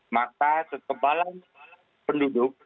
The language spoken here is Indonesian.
maka ketebalan penduduk